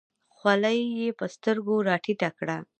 خولۍ یې په سترګو راټیټه کړه.